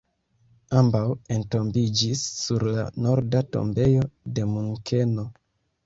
Ambaŭ entombiĝis sur la norda tombejo de Munkeno.